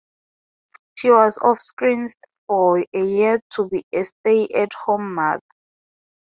She was off screens for a year to be a stay-at-home mother.